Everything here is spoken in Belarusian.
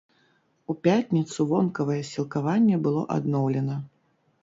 У пятніцу вонкавае сілкаванне было адноўлена.